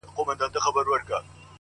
پرمختګ له لومړي ګامه پیلېږي